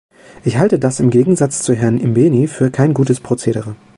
Ich halte das im Gegensatz zu Herrn Imbeni für kein gutes Prozedere.